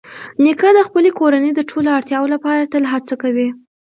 نیکه د خپلې کورنۍ د ټولو اړتیاوو لپاره تل هڅه کوي.